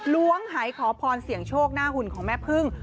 ล้วงหายขอพรเสี่ยงโชคหน้าหุ่นของแม่พึ่ง